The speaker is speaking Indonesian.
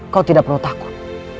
kau tidak perlu takut